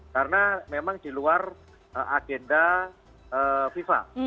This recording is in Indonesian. karena memang di luar agenda fifa